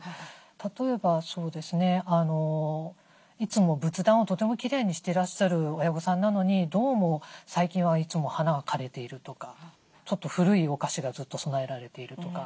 例えばそうですねいつも仏壇をとてもきれいにしてらっしゃる親御さんなのにどうも最近はいつも花が枯れているとかちょっと古いお菓子がずっと供えられているとか。